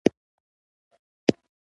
چې ته را جګ شوی یې.